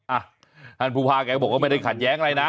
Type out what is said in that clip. อ่ะท่านผู้ว่าแกบอกว่าไม่ได้ขัดแย้งอะไรนะ